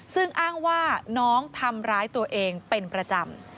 ซึ่งอ้างว่าน้องทำร้ายตัวเองเป็นประจำ